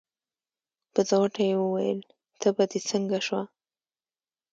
په زوټه يې وويل: تبه دې څنګه شوه؟